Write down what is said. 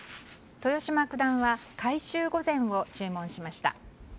豊島九段は海舟御膳を注文しました。